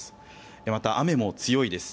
また、雨も強いです。